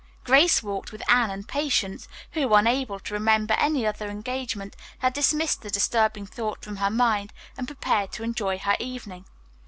Grace walked with Anne and Patience, who, unable to remember any other engagement, had dismissed the disturbing thought from her mind and prepared to enjoy her evening.